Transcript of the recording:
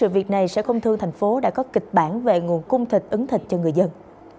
việc này sở công thương thành phố đã có kịch bản về nguồn cung thịt ứng thịt cho người dân